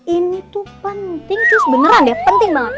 ini tuh penting cus beneran deh penting banget